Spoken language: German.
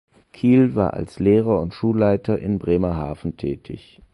Kiel war als Lehrer und Schulleiter in Bremerhaven tätig.